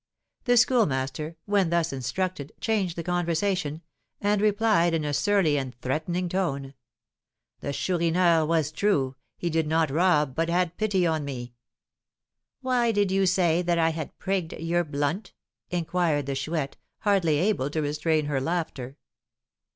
The Schoolmaster, when thus instructed, changed the conversation, and replied, in a surly and threatening tone: "The Chourineur was true; he did not rob, but had pity on me." "Why did you say that I had 'prigged your blunt'?" inquired the Chouette, hardly able to restrain her laughter.